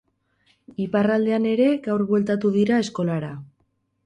Iparraldean ere gaur bueltatu dira eskolara.